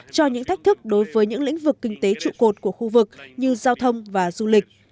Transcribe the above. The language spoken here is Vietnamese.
cho những thách thức đối với những lĩnh vực kinh tế trụ cột của khu vực như giao thông và du lịch